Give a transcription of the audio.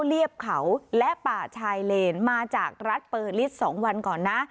เรียบเขาและป่าชายเลนมาจากรัฐเปอร์ลิส๒วันก่อนนะ